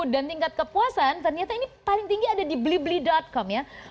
dan tingkat kepuasan ternyata ini paling tinggi ada di belibeli com